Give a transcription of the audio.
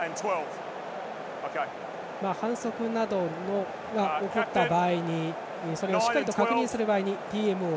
反則などが起こった場合それをしっかり確認する場合にＴＭＯ。